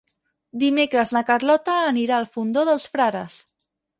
Dimecres na Carlota anirà al Fondó dels Frares.